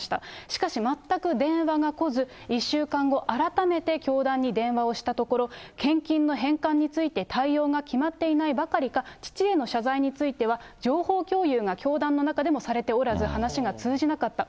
しかし、全く電話が来ず、１週間後、改めて教団に電話をしたところ、献金の返還について対応が決まっていないばかりか、父への謝罪については、情報共有が教団の中でもされておらず、話が通じなかった。